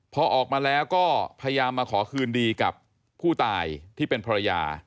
พอออกมาแล้วก็พยายามมาขอคืนดีกับผู้ตายที่เป็นภรรยา